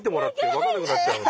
分かんなくなっちゃう。